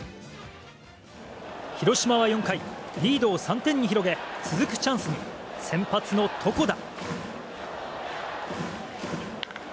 広島は４回リードを３点に広げ続くチャンスに先発の床田。